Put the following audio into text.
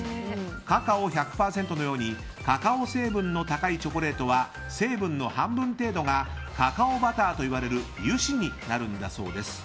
カカオ１００％のようにカカオ成分の高いチョコレートは成分の半分程度がカカオバターといわれる油脂になるんだそうです。